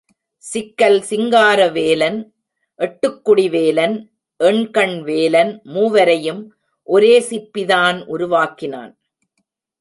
சிக்கல் சிங்காரவேலன், எட்டுக் குடி வேலன், எண்கண் வேலன் மூவரையும் ஒரே சிற்பிதான் உருவாக்கினான்.